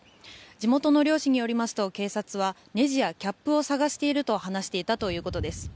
地元の漁師によりますと警察はねじやキャップを探していると話していたということです。